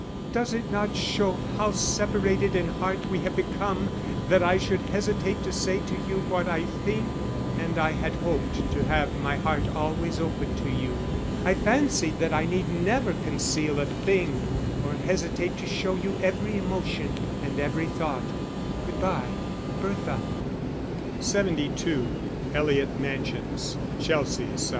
Does it not show how separated in heart we have become, that I should hesitate to say to you what I think and I had hoped to have my heart always open to you. I fancied that I need never conceal a thing, nor hesitate to show you every emotion and every thought. Good bye._ BERTHA. _72 Eliot Mansions, Chelsea, S.W.